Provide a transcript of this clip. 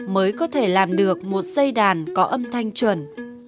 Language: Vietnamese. mới có thể làm được một dây đàn có âm thanh chuẩn